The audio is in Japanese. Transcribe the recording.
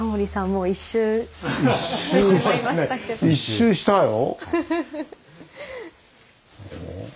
１周したよ。